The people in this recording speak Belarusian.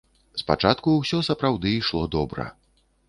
Спачатку ўсё сапраўды ішло добра.